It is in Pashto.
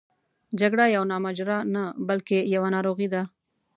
جګړه یوه ماجرا نه بلکې یوه ناروغي ده.